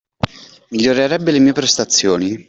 Migliorerebbe le mie prestazione.